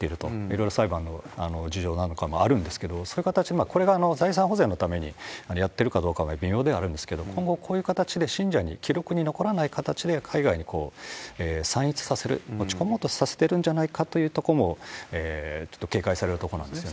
いろいろ裁判の需要なんかもあるんですけど、そういう形、これが財産保全のためにやってるかどうかも微妙ではあるんですけれども、今後、こういう形で信者に記録に残らない形で、海外に散逸させる、持ち込もうとさせてるんじゃないかというところも、ちょっと警戒されるところなんですよね。